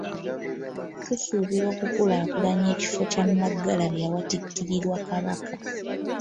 Tusuubira okukulaakulanya ekifo kya Nnaggalabi awatikkirirwa Kabaka.